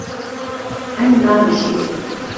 Em nabijêrin.